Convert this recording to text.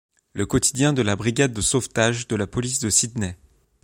Le quotidien de la brigade de sauvetage de la police de Sydney.